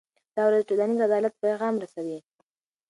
دا ورځ د ټولنیز عدالت پیغام رسوي.